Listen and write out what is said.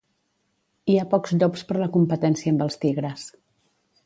Hi ha pocs llops per la competència amb els tigres.